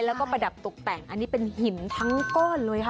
แล้วก็ประดับตกแต่งอันนี้เป็นหินทั้งก้อนเลยค่ะ